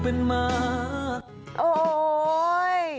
โอ๊ย